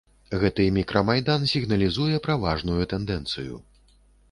Гэты мікра-майдан сігналізуе пра важную тэндэнцыю.